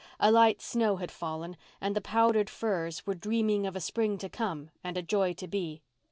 A light snow had fallen and the powdered firs were dreaming of a spring to come and a joy to be.